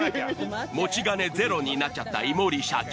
持ち金ゼロになっちゃったいもり社長。